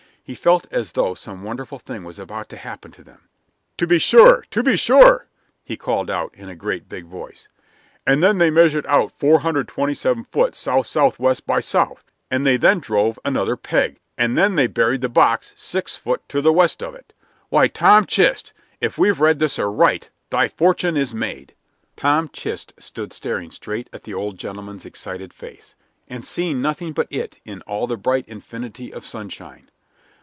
He felt as though some wonderful thing was about to happen to them. "To be sure, to be sure!" he called out, in a great big voice. "And then they measured out 427 foot south southwest by south, and they then drove another peg, and then they buried the box six foot to the west of it. Why, Tom why, Tom Chist! if we've read this aright, thy fortune is made." Tom Chist stood staring straight at the old gentleman's excited face, and seeing nothing but it in all the bright infinity of sunshine.